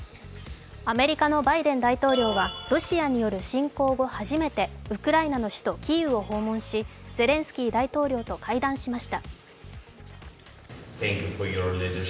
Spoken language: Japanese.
アメリカのバイデン大統領はロシアによる侵攻後初めてウクライナの首都キーウを訪問しゼレンスキー大統領と会談しました。